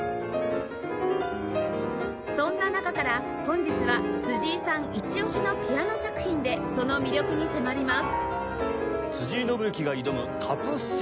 そんな中から本日は辻井さんイチ押しのピアノ作品でその魅力に迫ります